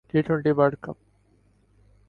T twenty world ک